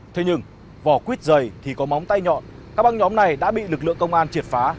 thế nhưng vỏ quýt dày thì có móng tay nhọn các băng nhóm này đã bị lực lượng công an triệt phá